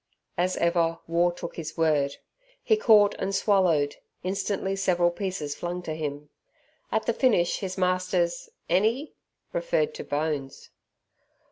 As ever, War took his word; he caught and swallowed instantly several pieces flung to him. At the finish his master's "Eny?" referred to bones.